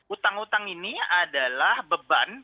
utang utang ini adalah beban